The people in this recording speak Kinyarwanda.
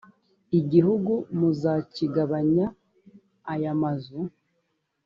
igihugu muzakigabanya aya mazu.